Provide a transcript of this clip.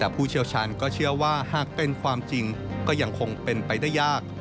ผู้เชี่ยวชาญก็เชื่อว่าหากเป็นความจริงก็ยังคงเป็นไปได้ยาก